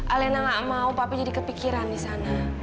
alena nggak mau fadil jadi kepikiran di sana